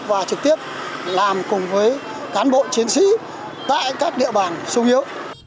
và trực tiếp làm cùng với cán bộ chiến sĩ tại các địa bàn sung yếu